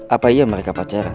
apa iya mereka pacaran